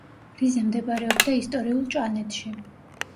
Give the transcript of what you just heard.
რიზე მდებარეობდა ისტორიულ ჭანეთში.